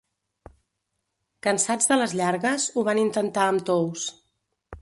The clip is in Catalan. Cansats de les llargues, ho van intentar amb Tous.